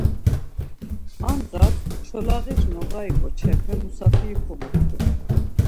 Ar ndğas, Çolağis noğari ǩoçepe musafiri komuxtu...